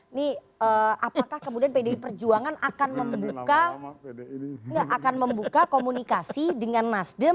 ini apakah kemudian pdi perjuangan akan membuka komunikasi dengan nasdem dengan pdi perjuangan